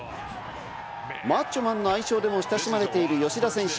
マッチョマンの愛称でも親しまれている吉田選手。